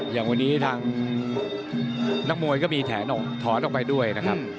อย่างวันนี้ทางนักมวยก็มีถอนออกไปด้วยนะครับ